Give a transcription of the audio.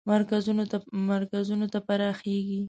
مرکزونو ته پراخیږي.